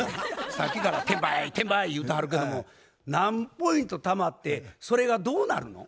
さっきから「点倍。点倍」言うてはるけども何ポイントたまってそれがどうなるの？